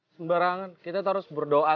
sembarangan kita harus berdoa